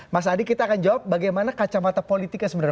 mas adi kita akan jawab bagaimana kacamata politiknya sebenarnya